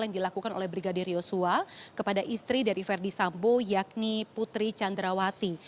yang dilakukan oleh brigadir yosua kepada istri dari verdi sambo yakni putri candrawati